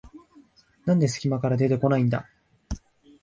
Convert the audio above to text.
なんですき間から出てこないんだ